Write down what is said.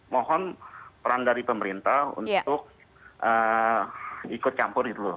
mohon peran dari pemerintah untuk ikut campur gitu loh